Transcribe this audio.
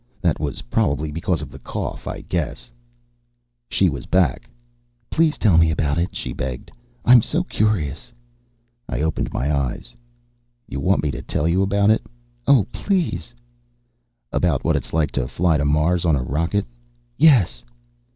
That was probably because of the cough, I guess. She was back. "Please tell me about it," she begged. "I'm so curious." I opened my eyes. "You want me to tell you about it?" "Oh, please!" "About what it's like to fly to Mars on a rocket?" "Yes!"